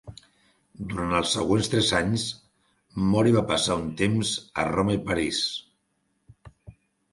Durant els següents tres anys, Mori va passar un temps a Roma i París.